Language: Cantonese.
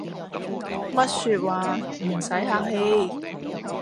乜說話，唔洗客氣